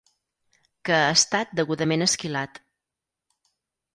Que ha estat degudament esquilat.